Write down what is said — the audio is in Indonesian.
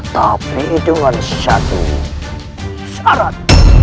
tapi dengan satu syarat